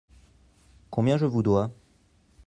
Combien je vous dois ?